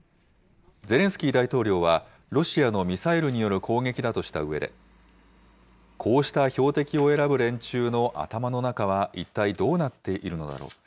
ゼレンスキー大統領は、ロシアのミサイルによる攻撃だとしたうえで、こうした標的を選ぶ連中の頭の中は、一体どうなっているのだろう。